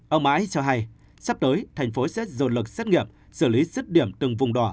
ông mãi cho hay sắp tới tp hcm sẽ dồn lực xét nghiệm xử lý sứt điểm từng vùng đỏ